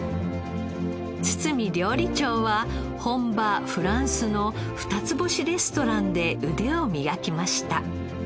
堤料理長は本場フランスの二つ星レストランで腕を磨きました。